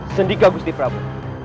sendika gusti prabu